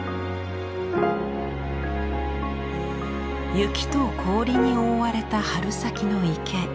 雪と氷に覆われた春先の池。